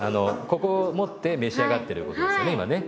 ここを持って召し上がってることですよね